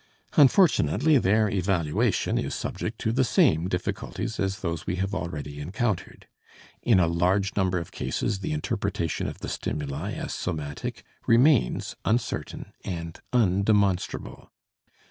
Unfortunately, their evaluation is subject to the same difficulties as those we have already encountered. In a large number of cases the interpretation of the stimuli as somatic remains uncertain and undemonstrable.